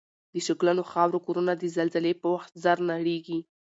د شګلنو خاورو کورنه د زلزلې په وخت زر نړیږي